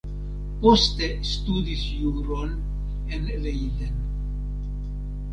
Poste studis juron en Leiden.